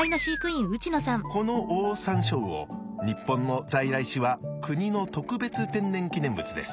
このオオサンショウウオ日本の在来種は国の特別天然記念物です。